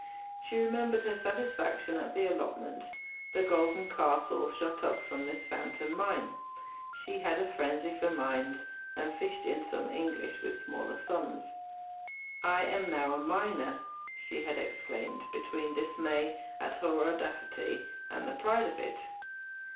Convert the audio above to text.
She remembered her satisfaction at the allotment; the golden castle shot up from this fountain mine. She had a frenzy for mines and fished in some English with smaller sums. 'I am now a miner,' she had exclaimed, between dismay at her audacity and the pride of it.